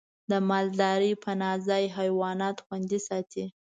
د مالدارۍ پناه ځای حیوانات خوندي ساتي.